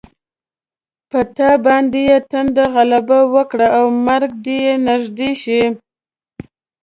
په تا باندې تنده غلبه وکړي او مرګ دې نږدې شي.